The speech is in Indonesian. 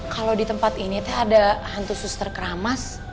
kalau di tempat ini teh ada hantu suster keramas